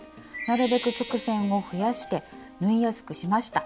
なるべく直線を増やして縫いやすくしました。